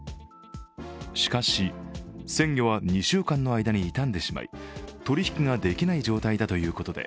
しかし鮮魚は２週間の間に傷んでしまい取り引きができない状態だということで、